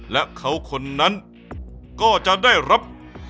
และเขาคนนั้นก็จะได้รับ